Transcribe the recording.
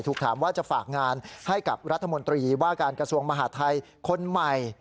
ถามว่าจะฝากงานให้กับรัฐมนตรีว่าการกระทรวงมหาทัยคนใหม่